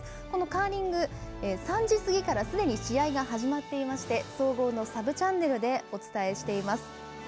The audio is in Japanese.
このカーリング３時過ぎからすでに試合が始まっていまして総合のサブチャンネルでお伝えしています。